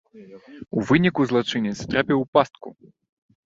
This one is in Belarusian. У выніку злачынец трапіў у пастку.